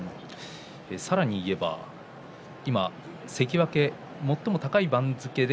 さらに言えば今関脇、最も高い番付で